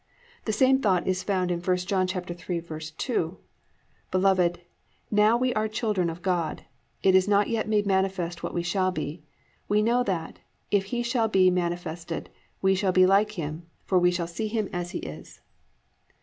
The same thought is found in I John 3:2, +"Beloved, now are we children of God, it is not yet made manifest what we shall be. We know that, if he shall be manifested, we shall be like him, for we shall see him as he is."